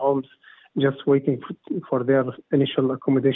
hanya menunggu pengalaman inisial mereka